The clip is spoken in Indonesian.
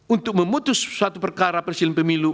untuk memutus suatu perkara presiden pemilu